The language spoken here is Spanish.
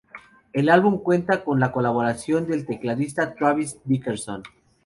El álbum cuenta con la colaboración del teclista Travis Dickerson.